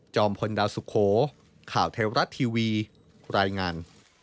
พลดาวสุโขข่าวเทวรัฐทีวีรายงาน